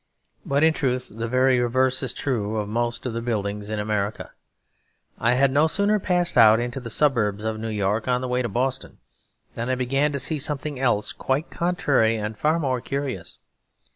But in truth the very reverse is true of most of the buildings in America. I had no sooner passed out into the suburbs of New York on the way to Boston than I began to see something else quite contrary and far more curious.